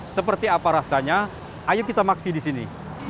seperti apa rasanya ayo kita maksi disini